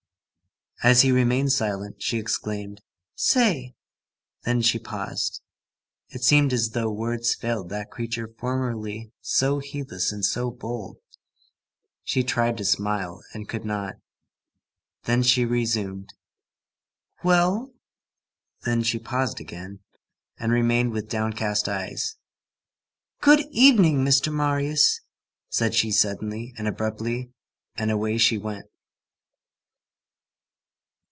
As he remained silent, she exclaimed:— "Say—" Then she paused. It seemed as though words failed that creature formerly so heedless and so bold. She tried to smile and could not. Then she resumed:— "Well?" Then she paused again, and remained with downcast eyes. "Good evening, Mr. Marius," said she suddenly and abruptly; and away she went.